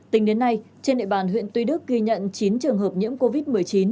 tính đến nay trên địa bàn huyện tuy đức ghi nhận chín trường hợp nhiễm covid một mươi chín